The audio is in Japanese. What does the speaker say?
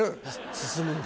進むんだ。